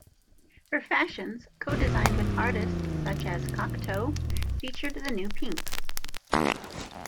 Her fashions, co-designed with artists such as Cocteau, featured the new pinks.